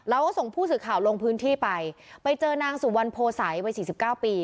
เราก็ส่งผู้สื่อข่าวลงพื้นที่ไปไปเจอนางสุวรรณโพสัยวัยสี่สิบเก้าปี